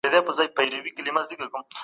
ولي ارامه فضا مهمه ده؟